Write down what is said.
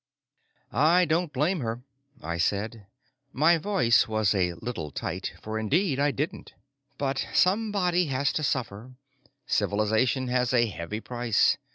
"I don't blame her," I said. My voice was a little tight, for indeed I didn't. But somebody has to suffer; civilization has a heavy price.